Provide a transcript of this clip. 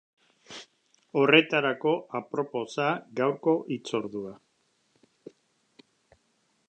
Horretarako aproposa gaurko hitzordua.